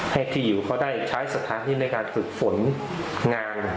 ให้ที่อยู่เขาได้ใช้สถานที่ในการฝึกฝนงาน